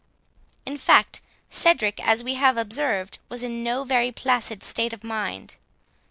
In fact, Cedric, as we have observed, was in no very placid state of mind.